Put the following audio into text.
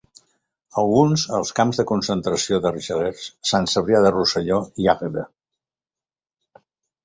Alguns als camps de concentració d'Argelers, Sant Cebrià de Rosselló i Agde.